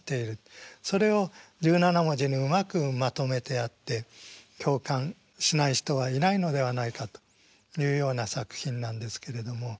それを十七文字にうまくまとめてあって共感しない人はいないのではないかというような作品なんですけれども。